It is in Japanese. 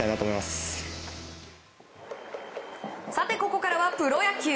ここからはプロ野球。